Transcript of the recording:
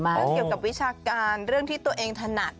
การให้ความรู้เกี่ยวกับวิชาการเรื่องที่ตัวเองถนัด